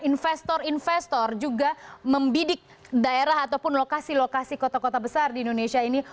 investor investor juga membidik daerah ataupun lokasi lokasi kota kota besar di indonesia ini